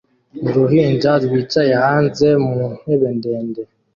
Uruhinja rwicaye hanze mu ntebe ndende